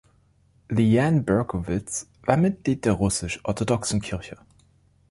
Liane Berkowitz war Mitglied der russisch-orthodoxen Kirche.